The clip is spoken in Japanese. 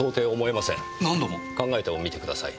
考えてもみて下さい。